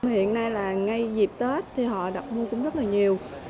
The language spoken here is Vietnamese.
hiện nay là ngay dịp tết thì họ đặt mua cũng rất là nhiều